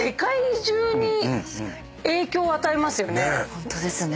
ホントですね。